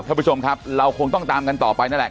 ท่านผู้ชมครับเราคงต้องตามกันต่อไปนั่นแหละ